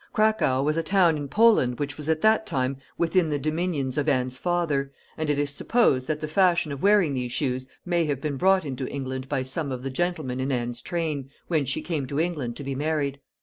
Cracow was a town in Poland which was at that time within the dominions of Anne's father, and it is supposed that the fashion of wearing these shoes may have been brought into England by some of the gentlemen in Anne's train, when she came to England to be married.